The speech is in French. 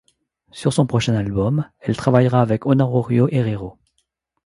Sur son prochain album, elle travaillera avec Honorario Herrero.